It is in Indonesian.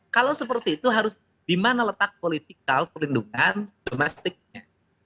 kalau seperti itu harus dimana letak politikal perlindungan domestiknya